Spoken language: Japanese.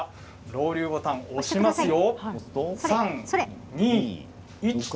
ロウリュボタンを押しますよ。